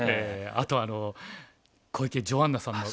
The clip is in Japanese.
あと小池ジョアンナさんの歌。